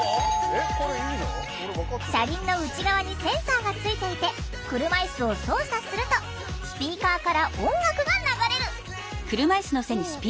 車輪の内側にセンサーがついていて車いすを操作するとスピーカーから音楽が流れる。